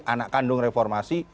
anak kandung reformasi